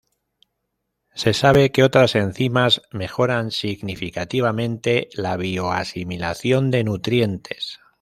Se sabe que otras enzimas mejoran significativamente la bio-asimilación de nutrientes.